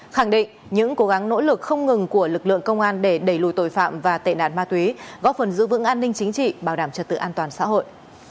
khẳng định những cố gắng nỗ lực không ngừng của lực lượng công an để đẩy lùi tội phạm và tệ nạn ma túy góp phần giữ vững an ninh chính trị bảo đảm trật tự an toàn xã hội